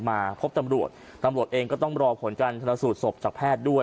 มาพบตำรวจตำรวจเองก็ต้องรอผลการชนสูตรศพจากแพทย์ด้วย